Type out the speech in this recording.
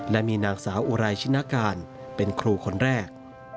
และมีนางสาวอุไรชินการเป็นครูคนแรก